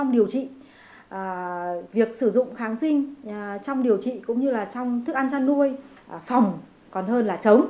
điều trị cũng như là trong thức ăn chăn nuôi phòng còn hơn là chống